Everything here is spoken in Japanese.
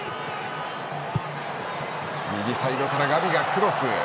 右サイドからガビがクロス。